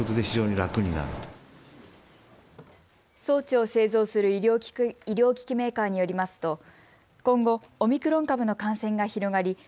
装置を製造する医療機器メーカーによりますと今後、オミクロン株の感染が広がり